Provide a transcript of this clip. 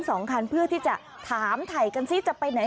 คุณผู้หญิงเสื้อสีขาวเจ้าของรถที่ถูกชน